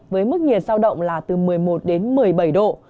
với mức nhiệt giao động là từ một mươi một đến một mươi bảy độ